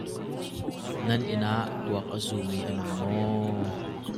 Nan inn ah kuak a zu mi an um maw?